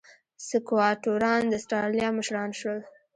سکواټوران د اسټرالیا مشران شول.